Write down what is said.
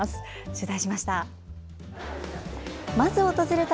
取材しました。